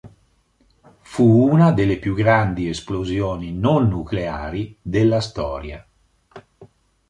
Fu una delle più grandi esplosioni non nucleari della storia.